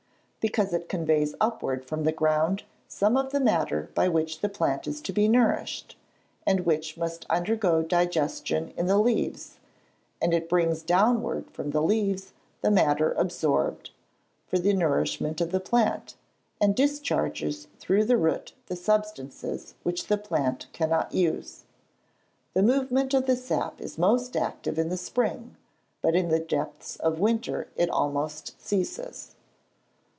_ Because it conveys upward from the ground some of the matter by which the plant is to be nourished, and which must undergo digestion in the leaves; and it brings downward from the leaves the matters absorbed, for the nourishment of the plant, and discharges through the root the substances which the plant cannot use. The movement of the sap is most active in the spring; but in the depths of the winter it almost ceases.